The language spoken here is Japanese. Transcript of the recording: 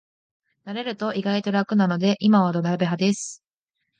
慣れると意外と楽なので今は土鍋派です